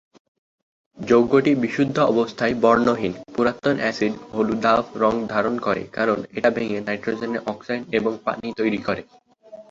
যৌগটি বিশুদ্ধ অবস্থায় বর্ণহীন, পুরাতন এসিড হলুদাভ রঙ ধারণ করে কারণ এটা ভেঙে নাইট্রোজেনের অক্সাইড এবং পানি তৈরি করে।